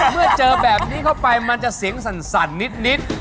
เมื่อเจอแบบนี้เข้าไปมันจะเสียงสั่นนิด